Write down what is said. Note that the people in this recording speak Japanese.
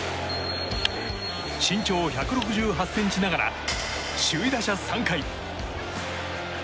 身長１６８ｃｍながら首位打者３回。